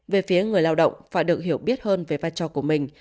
về phía người lao động phải được hiểu biết hơn về vai trò của mình